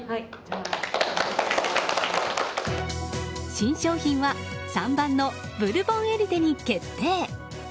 新商品は３番のブルボンエリテに決定。